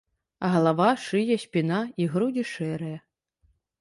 Галава, шыя, спіна і грудзі шэрыя.